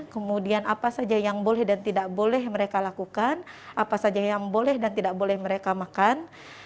kemudian apa saja yang boleh dan tidak boleh mereka lakukan apa saja yang boleh dan tidak boleh mereka makan